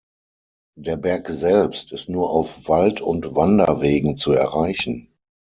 Der Berg selbst ist nur auf Wald- und Wanderwegen zu erreichen.